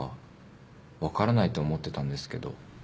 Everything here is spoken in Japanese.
分からないって思ってたんですけど。